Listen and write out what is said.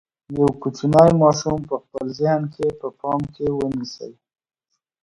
یو کوچنی ماشوم په خپل ذهن کې په پام کې ونیسئ.